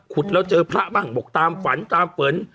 ขุดแล้วเจอพระบ้างบอกตามฝันตามฝน